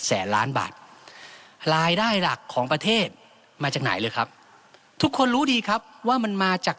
แสนล้านบาทรายได้หลักของประเทศมาจากไหนเลยครับทุกคนรู้ดีครับว่ามันมาจาก